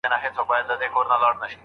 باور پیدا کړئ.